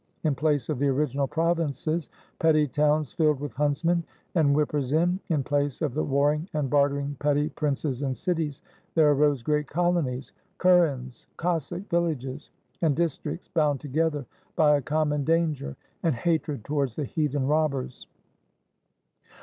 In place of the original provinces, petty towns filled with huntsmen and whip pers in, in place of the warring and bartering petty princes in cities, there arose great colonies, kurens [Cos sack villages], and districts, bound together by a com mon danger, and hatred towards the heathen robbers.